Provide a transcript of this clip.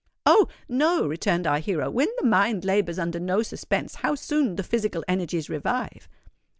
"Oh! no," returned our hero. "When the mind labours under no suspense, how soon the physical energies revive."